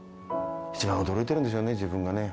一番驚いてるんでしょうね、自分がね。